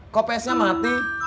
kok pesennya mati